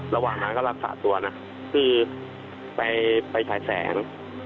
ระหว่างนั้นก็รักษาตัวนะคือไปฉายแสง